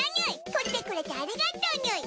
取ってくれてありがとうにゅい！